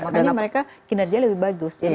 makanya mereka kinerjanya lebih bagus